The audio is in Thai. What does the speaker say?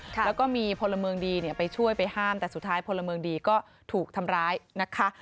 แล้วก็มีพลเมืองดีเนี่ยไปช่วยไปห้ามแต่สุดท้ายพลเมืองดีก็ถูกทำร้ายนะคะ